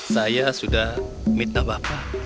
saya sudah mitnah bapak